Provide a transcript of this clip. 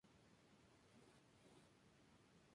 Allen; "Which Side Are You On?